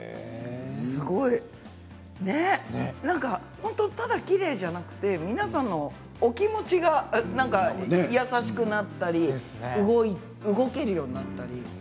本当にただきれいじゃなくて皆さんのお気持ちが優しくなったり動けるようになったり。